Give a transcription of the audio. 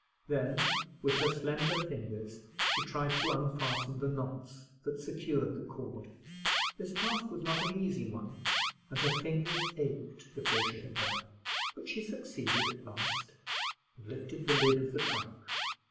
Then with her slender fingers she tried to unfasten the knots that secured the cord. This task was not an easy one, and her fingers ached before she had done. But she succeeded at last, and lifted the lid of the trunk.